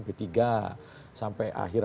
p tiga sampai akhir